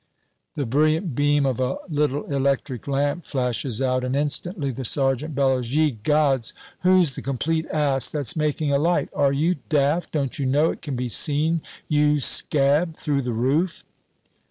The brilliant beam of a little electric lamp flashes out, and instantly the sergeant bellows, "Ye gods! Who's the complete ass that's making a light? Are you daft? Don't you know it can be seen, you scab, through the roof?"